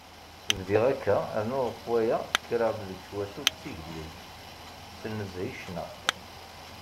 Bdiɣ akka, rnu ɣef waya, kkreɣ-d deg twacult d tigellilt tsel nezzeh i ccna.